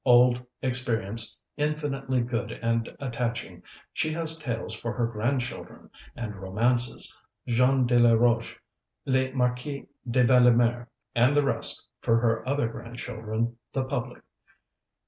Old, experienced, infinitely good and attaching, she has tales for her grandchildren, and romances Jean de la Roche, Le Marquis de Villemer, and the rest for her other grandchildren the public.